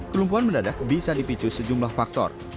kelumpuhan mendadak bisa dipicu sejumlah faktor